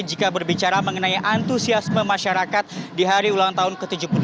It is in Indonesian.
jika berbicara mengenai antusiasme masyarakat di hari ulang tahun ke tujuh puluh delapan